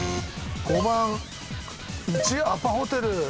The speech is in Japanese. ５番１アパホテル。